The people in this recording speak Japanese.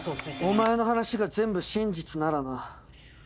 お前の話が全部真実ならな。